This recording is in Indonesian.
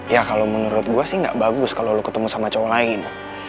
ya kalau menurut gue sih gak bagus kalau lo ketemu sama cowok lain